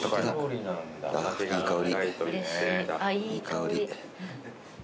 いい香り。